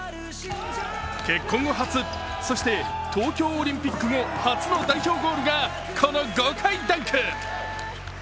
結婚後初、そして東京オリンピック後初の代表ゴールが、この豪快ダンク。